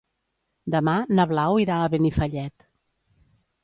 Demà na Blau irà a Benifallet.